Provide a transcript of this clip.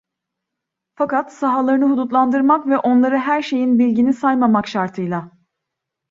Fakat, sahalarını hudutlandırmak ve onları her şeyin bilgini saymamak şartıyla.